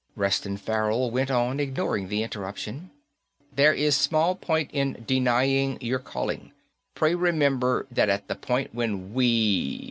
Reston Farrell went on, ignoring the interruption. "There is small point in denying your calling. Pray remember that at the point when we